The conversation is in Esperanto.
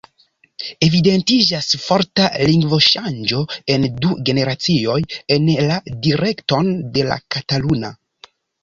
Evidentiĝas forta lingvoŝanĝo en du generacioj en la direkton de la kataluna.